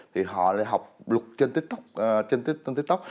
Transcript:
thì họ lại học luật trên tiktok